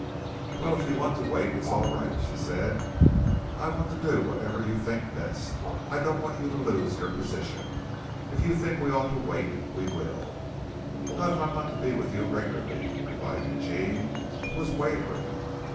"Well, if you want to wait, it's all right," she said. "I want to do whatever you think best. I don't want you to lose your position. If you think we ought to wait, we will." "Not if I'm not to be with you regularly," replied Eugene, who was wavering.